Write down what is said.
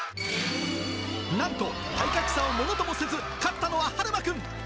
なんと、体格差をものともせず、勝ったのははるま君。